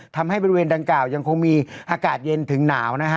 ทำให้บริเวณดังกล่าวยังคงมีอากาศเย็นถึงหนาวนะฮะ